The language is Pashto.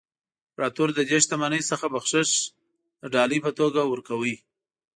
امپراتور له دې شتمنۍ څخه بخشش د ډالۍ په توګه ورکاوه.